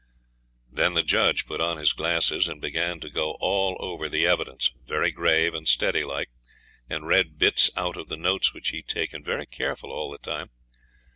Then the judge put on his glasses and began to go all over the evidence, very grave and steady like, and read bits out of the notes which he'd taken very careful all the time.